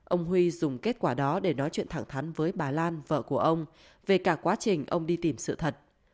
ông huy dùng kết quả đó để nói chuyện thẳng thắn với bà lan vợ của ông về cả quá trình ông đi tìm sự thật